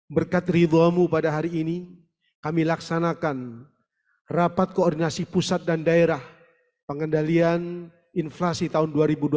berkat ridhomu pada hari ini kami laksanakan rapat koordinasi pusat dan daerah pengendalian inflasi tahun dua ribu dua puluh satu